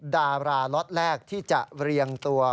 ดาราล็อตแรกที่จะเรียงตัว